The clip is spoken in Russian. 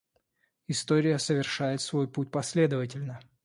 История совершает свой путь последовательно.